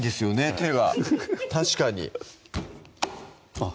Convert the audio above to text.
手が確かにあっ